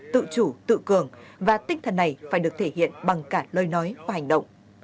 tự chủ tự cường và tinh thần này phải được thể hiện bằng cả lời nói và hành động